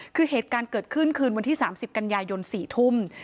คือเหตุการณ์เกิดขึ้นคืนวันที่๓๐กันยายน๔ทุ่ม